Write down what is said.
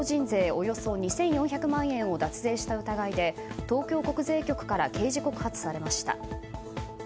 およそ２４００万円を脱税した疑いで東京国税局から刑事告発されました。